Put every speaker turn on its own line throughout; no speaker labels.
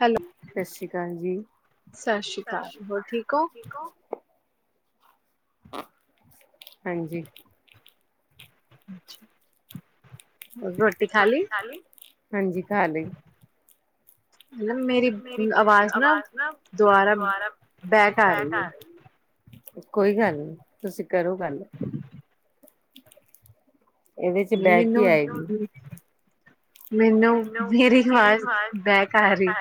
Hello. ਸਤਿ ਸ੍ਰੀ ਅਕਾਲ, ਹੋਰ ਠੀਕ ਓ?
ਹਾਂਜੀ।
ਅੱਛਾ।
ਹਾਂਜੀ, ਖਾ ਲਈ।
ਹਮਮ, ਮੇਰੀ ਆਵਾਜ਼ ਨਾ ਦੁਬਾਰਾ, ਬੈਕ ਆ ਰਈ ਐ।
ਕੋਈ ਗੱਲ ਨੀ, ਤੁਸੀਂ ਕਰੋ ਗੱਲ। ਇਹਦੇ 'ਚ ਬੈਕ ਈ ਆਏਗੀ।
ਮੈਨੂੰ ਮੇਰੀ ਆਵਾਜ਼ ਬੈਕ ਆ ਰਹੀ।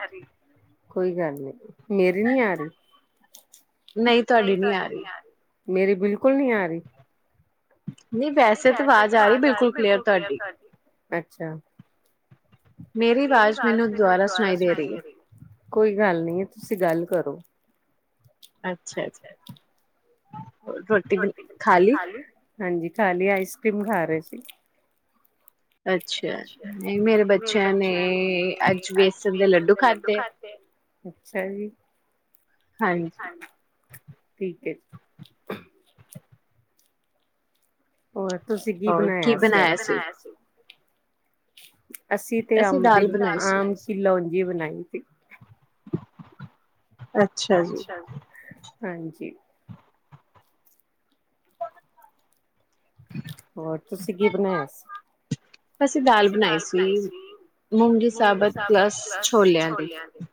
ਕੋਈ ਗੱਲ ਨਹੀਂੀ ਮੇਰੀ ਨੀ ਆ ਰਹੀ
ਨਹੀਂ ਤੁਹਾਡੀ ਨਹੀਂੀ ਆ ਰਹੀ
ਮੇਰੀ ਬਿਲਕੁਲ ਨਹੀਂ ਆ ਰਹੀ
ਨਹੀਂ ਵੈਸੇ ਤਾਂ ਆਵਾਜ਼ ਆ ਰਹੀ ਬਿਲਕੁਲ ਕਲੀਅਰ ਤੁਹਾਡੀ
ਅੱਛਾ
ਮੇਰੀ ਆਵਾਜ਼ ਮੈਨੂੰ ਦੁਬਾਰਾ ਸੁਣਾਈ ਦੇ ਰਹੀ ਹੈ
ਕੋਈ ਗੱਲ ਨਹੀਂ ਹੈ ਤੁਸੀਂ ਗੱਲ ਕਰੋ
ਅੱਛਾ ਜੀ ਰੋਟੀ ਖਾਲੀ
ਹਾਂਜੀ ਖਾਲੀ ਆਈਸ ਕਰ੍ਰੀਮ ਖਾ ਰਹੇ ਸੀ
ਅੱਛਾ ਨਹੀਂ ਮੇਰੇ ਬੱਚਿਆਂ ਨੇ ਅੱਜ ਬੇਸਣ ਦੇ ਲੱਡੂ ਖਾਧੇ
ਅੱਛਾ ਜੀ ਠੀਕ ਹੈ ਹੋਰ ਤੁਸੀਂ ਕੀ ਬਣਾਇਆ ਸੀ ਅਜ ਕਿ ਬਣਾਇਆ ਸੀ [unintelligible] ਅੱਸੀ ਤੇ ਅੰਬ [unintelligible] ਜੀਵਨ ਆਈ ਸੀ। [unintelligible]
ਅੱਛਾ ਜੀ।
ਹਾਂਜੀ। ਹੋਰ ਤੁਸੀਂ ਕੀ ਬਣਾਇਆ ਸੀ ਅਸੀਂ ਦਾਲ ਬਣਾਈ ਸੀ ਮੂੰਗੀ ਸਾਬਤ ਪਲੱਸ ਛੋਲਿਆਂ ਦੀ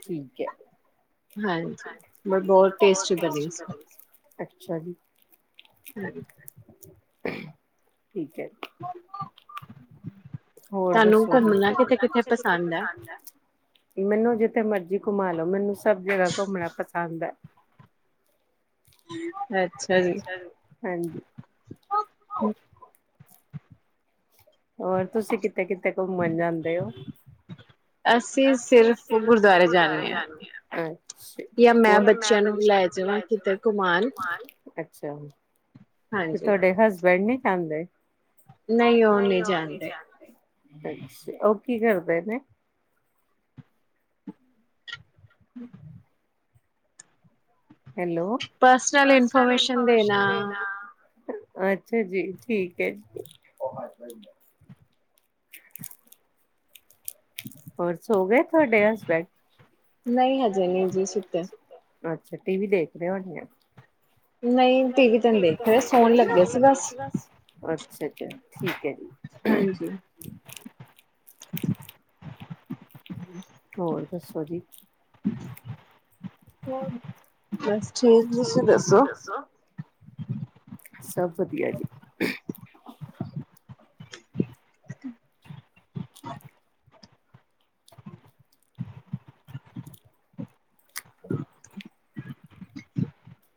ਠੀਕ ਹੈ।
ਹਾਂਜੀ ਬਹੁਤ ਟੇਸਟੀ ਬਣੀ ਸੀ।
ਅੱਛਾ ਜੀ।
ਹਾਂ।
ਠੀਕ ਹੈ ਜੀ।
[inaudible]
ਹੋਰ ਦੱਸੋ ਜੀੰ ਮੈਨੂੰ [unintelligible] ਤੇ ਮਰਜ਼ੀ ਘੁਮਾਲੋ ਮੈਨੂੰ ਸਭ ਜਗਾ ਘੁੰਮਣਾ ਪਸੰਦ ਹੈ।
ਅੱਛਾ ਜੀ।
ਹੋਰ ਤੁਸੀਂ ਕਿੱਥੇ ਕਿੱਥੇ ਘੁੰਮਣ ਜਾਂਦੇ ਹੋ। ਅਸੀਂ ਸਿਰਫ ਗੁਰਦੁਆਰੇ ਜਾਂਦੇ ਹਾਂ ਹੋਰ ਮੈਂ ਬੱਚਿਆਂ ਨੂੰ ਲੈ ਜਾਵਾਂ ਘੁਮਾਣ ਅੱਛਾ। ਤੇ ਤੁਹਾਡੇ ਹਸਬੈਂਡ ਨੀ - [inaudible] ਨਹੀਂ ਉਹ ਨਹੀਂ ਜਾਂਦੇ। ਕੀ ਕਰਦੇ ਨੇੇ।
[inaudible]
ਹੈਲੋ। ਪਰਸਨਲ ਇਨਫਰਮੇਸ਼ਨ ਦੇਣਾ। ਅੱਛਾ ਜੀ ਠੀਕ ਹੈ ਜੀ। ਹੋਰ ਸੋ ਗਏ।
ਨਹੀਂ ਹਜੇ ਨਹੀ ਜੀ ਸੁੱਤੇ।
ਅੱਛਾ ਟੀ ਵੀ ਦੇਖ ਰਹੇ ਹੋਣੇ ਆ। ਨਹੀਂ [unintelligible] ਵੀ ਸੋਣ ਲਗਿਆ ਸੀ ਬਸ ਅੱਛਾ ਅੱਛਾ ਠੀਕ ਹੈ ਜੀ। ਹੋਰ, ਦੱਸੋ ਜੀ।
[unintelligible] [unintelligible] ਬਸ ਠੀਕ ਤੁਸੀਂ ਦੱਸੋ।
ਸਭ ਵਧੀਆ ਜੀ।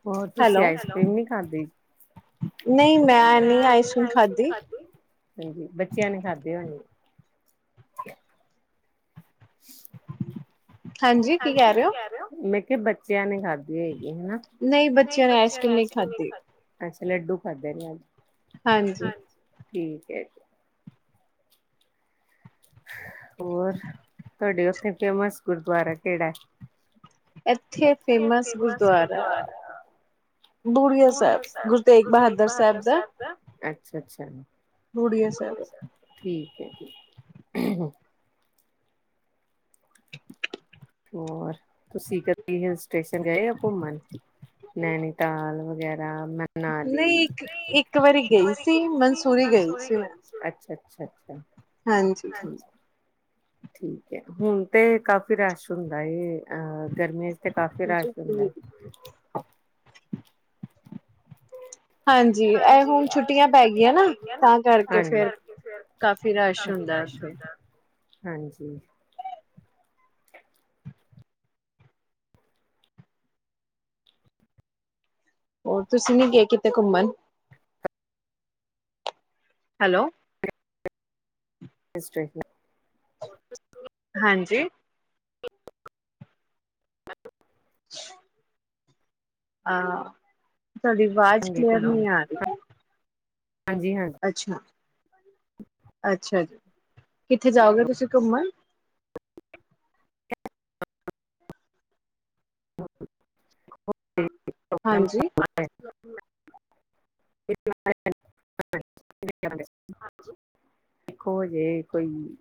ਹੋਰ ਤੁਸੀਂ ਆਈਸਕ੍ਰੀਮ ਨੀ ਖਾਦੀ।
ਨਹੀਂ ਮੈਂ ਨਹੀਂ, ਆਈਸਕ੍ਰੀਮ ਖਾਦੀ।
ਹਾਂਜੀ ਬੱਚਿਆਂ ਨੇ ਖਾਦੀ ਹੋਣੀ।
ਹਾਂਜੀ, ਕੀ ਕਹਿ ਰਹੇ ਹੋ?
ਕਿ ਬੱਚਿਆਂ ਨੇ ਖਾਧੀ ਹੋਏਗੀ। ਨਹੀਂ ਬੱਚਿਆਂ ਨੇ ਆਈਸਕ੍ਰੀਮ ਨਹੀਂ ਖਾਦੀ। ਲੱਡੂ ਖਾਦੇ ਨੇ ਅੱਜ।
ਹਾਂਜੀ।
ਠੀਕ ਹੈ ਜੀ। ਹੋਰ, ਤੁਹਾਡੇ ਉੱਥੇ ਫੇਮਸ ਗੁਰਦੁਆਰਾ ਕਿਹੜਾ ਹੈ।
ਇੱਥੇ ਫੇਮਸ ਗੁਰਦੁਆਰਾ ਬੁੜੀਆ ਸਾਹਿਬ, ਗੁਰੂ ਤੇਗ ਬਹਾਦਰ ਸਾਹਿਬ ਦਾ।
ਅੱਛਾ-ਅੱਛਾ।
ਬੂੜੀਏ ਸਾਹਿਬ।
[unintelligible] ਹੋਰ ਤੁਸੀਂ ਕਦੇ ਹਿਲ ਸਟੇਸ਼ਨ ਗਏ ਓ ਘੁੰਮਣ, ਨੈਨੀਤਾਲ ਵਗੈ ਮਨਾਲੀ ਨਹੀਂ ਇੱਕ, ਇੱਕ ਵਾਰੀ ਗਈ ਸੀ ਮਨਸੂਰੀ ਗਈ ਸੀ ਅੱਛਾ ਅੱਛਾ ਅੱਛਾ।
ਹਾਂਜੀ।
ਠੀਕ ਹੈ ਹੁਣ ਤੇ ਕਾਫੀ ਰਸ਼ ਹੁੰਦਾ ਏ ਆ ਗਰਮੀਆਂ ਚ ਤੇ ਕਾਫ਼ੀ ਰਸ਼ ਹੁੰਦਾ।
ਹਾਂਜੀ ਇਹ ਹੁਣ ਛੁੱਟੀਆਂ ਪੈ ਗਈਆਂ ਨਾ ਤਾਂ ਕਰਕੇ ਫੇਰ ਕਾਫ਼ੀ ਰਸ਼ ਹੁੰਦਾ ਉੱਥੇ।
ਹਾਂਜੀ।
ਹੋਰ ਤੁਸੀਂ ਨੀ ਗਏ ਕਿਥਤੇ ਘੁੰਮਨ। ਹੈਲੋ।
[unintelligible]
ਹਾਂਜੀ ਆ ਤੁਹਾਡੀ ਆਵਾਜ਼ ਕਲੀਅਰ ਨਹੀਂ ਆ ਰਹੀ। ਅੱਛਾ ਅੱਛਾ ਜੀ। ਕਿੱਥੇ ਜਾਓਗੇ ਤੁਸੀਂ ਘੁੰਮਨ
ਹਾਂਜੀ ਹਾਂਜੀ। ਪ੍ਰੋਬਮ। ਦੇਖੋ ਜੇ ਕੋਈ।